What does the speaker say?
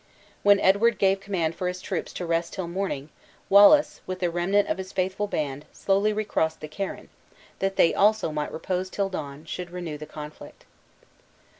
When Edward gave command for his troops to rest till morning, Wallace, with the remnant of his faithful band slowly recrossed the Carron, that they also might repose till dawn should renew the conflict.